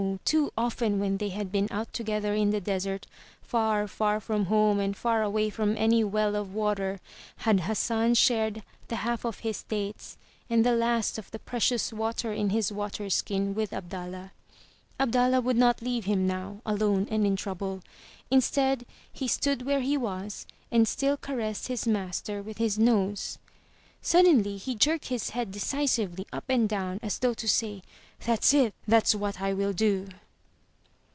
too often when they had been out to gether in the desert, far, far from home and far away from any well of water, had Hassan shared the half of his dates, and the last of the precious water in his water skin with Abdallah. Abdallah would not leave him now — alone and in trouble. Instead, he stood where he was, and still caressed his master with his nose. Suddenly, he jerked his head decisively up and down as though to say, "That's it! That's what I will do."